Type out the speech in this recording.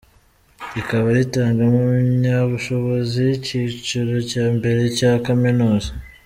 Rikaba ritanga impamyabushobozi y’ikiciro cya mbere cya kaminuza.